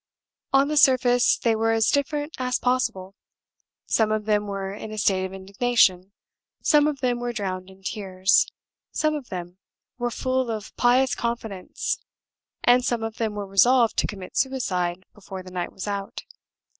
On the surface they were as different as possible. Some of them were in a state of indignation; some of them were drowned in tears; some of them were full of pious confidence; and some of them were resolved to commit suicide before the night was out.